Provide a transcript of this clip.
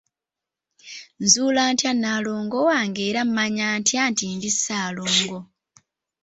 Nzuula ntya Nnaalongo wange era mmanya ntya nti ndi Ssaalongo?